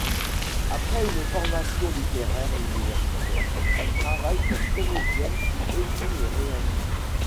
Après une formation littéraire universitaire, elle travaille comme comédienne puis écrit et réalise.